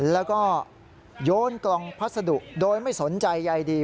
แล้วก็โยนกล่องพัสดุโดยไม่สนใจใยดี